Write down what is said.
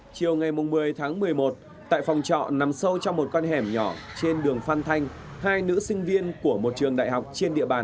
chiều ngày một mươi tháng một mươi một tại phòng trọ nằm sâu trong một con hẻm nhỏ trên đường phan thanh hai nữ sinh viên của một trường đại học trên địa bàn